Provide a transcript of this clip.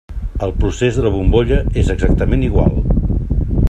El procés de la bombolla és exactament igual.